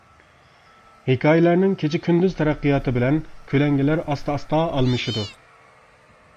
ھېكايىلەرنىڭ كېچە-كۈندۈز تەرەققىياتى بىلەن، كۆلەڭگىلەر ئاستا-ئاستا ئالمىشىدۇ.